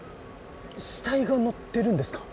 死体がのってるんですか！？